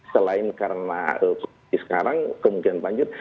selain karena sekarang kemungkinan lanjut